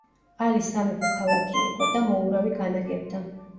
ალი სამეფო ქალაქი იყო და მოურავი განაგებდა.